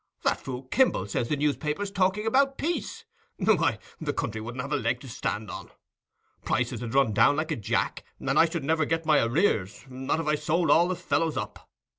And that fool Kimble says the newspaper's talking about peace. Why, the country wouldn't have a leg to stand on. Prices 'ud run down like a jack, and I should never get my arrears, not if I sold all the fellows up.